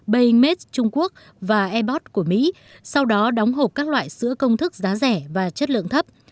bainmade trung quốc và ebot của mỹ sau đó đóng hộp các loại sữa công thức giá rẻ và chất lượng thấp